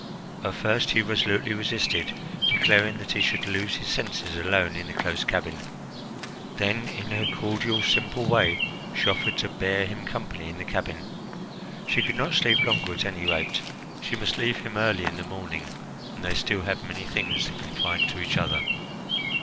At first he resolutely resisted, declaring that he should lose his senses alone in the close cabin. Then, in her cordial, simple way, she offered to bear him company in the cabin. She could not sleep longer, at any rate; she must leave him early in the morning, and they still had many things to confide to each other.